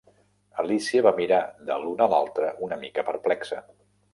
Alícia va mirar de l'un a l'altre una mica perplexa.